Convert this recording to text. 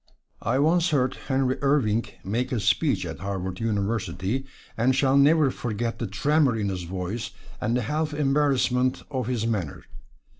I once heard Henry Irving make a speech at Harvard University, and shall never forget the tremor in his voice and the half embarrassment of his manner.